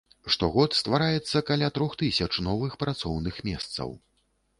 Штогод ствараецца каля трох тысяч новых працоўных месцаў.